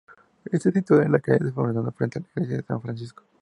Está situado en la calle San Fernando, frente a la Iglesia de San Francisco.